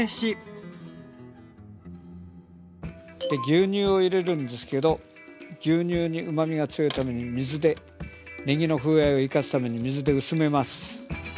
で牛乳を入れるんですけど牛乳にうまみが強いために水でねぎの風合いを生かすために水で薄めます。